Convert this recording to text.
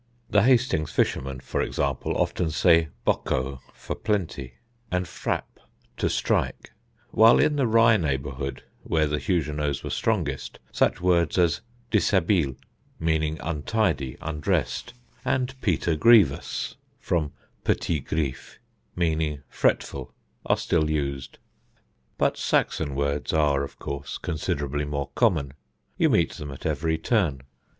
The Hastings fishermen, for example, often say boco for plenty, and frap to strike; while in the Rye neighbourhood, where the Huguenots were strongest, such words as dishabil meaning untidy, undressed, and peter grievous (from petit grief) meaning fretful, are still used. But Saxon words are, of course, considerably more common. You meet them at every turn.